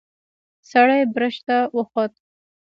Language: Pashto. سړی برج ته وخوت.